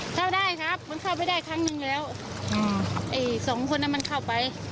เข้าได้ครับมันเข้าไปได้ครั้งนึงแล้วไอ้สองคนนั้นมันเข้าไป